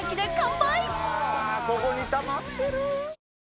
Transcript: ここにたまってる！